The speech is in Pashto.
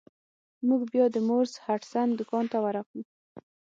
موږ بیا د مورس هډسن دکان ته ورغلو.